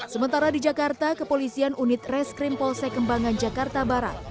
sementara di jakarta kepolisian unit reskrim polsek kembangan jakarta barat